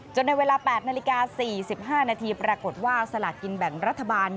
ในเวลา๘นาฬิกา๔๕นาทีปรากฏว่าสลากกินแบ่งรัฐบาล